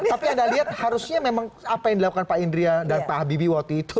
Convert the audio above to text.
tapi anda lihat harusnya memang apa yang dilakukan pak indria dan pak habibie waktu itu